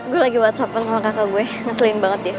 gue lagi whatsapp kan sama kakak gue ngeselin banget ya